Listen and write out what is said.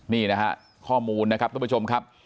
นี่นะฮะข้อมูลนะครับทุกผู้ชมครับ